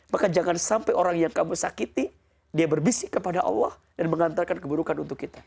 maka jangan sampai orang yang kamu sakiti dia berbisik kepada allah dan mengantarkan keburukan untuk kita